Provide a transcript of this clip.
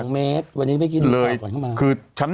๒เมตรวันนี้ไม่กินอีกกว่าก่อนขึ้นมา